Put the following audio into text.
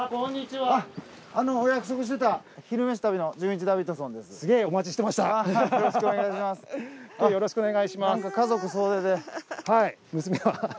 はい。